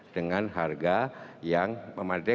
dengan harga yang memadai